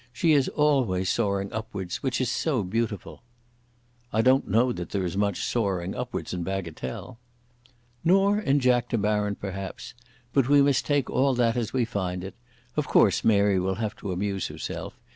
She is always soaring upwards, which is so beautiful." "I don't know that there is much soaring upwards in bagatelle." "Nor in Jack De Baron, perhaps. But we must take all that as we find it. Of course Mary will have to amuse herself.